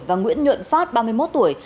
và nguyễn nhuận phát ba mươi một tuổi